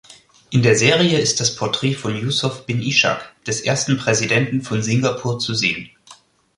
In der Serie ist das Porträt von Yusof bin Ishak, des ersten Präsidenten von Singapur, zu sehen.